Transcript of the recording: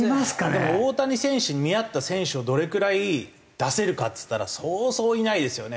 でも大谷選手に見合った選手をどれくらい出せるかっつったらそうそういないですよね。